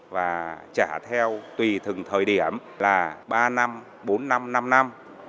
và trả theo tùy từng thời điểm là ba năm bốn năm năm